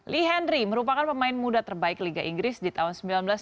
lee henry merupakan pemain muda terbaik liga inggris di tahun seribu sembilan ratus sembilan puluh